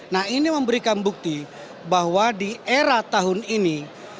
nah ini memberikan bukti bahwa di era tahun ini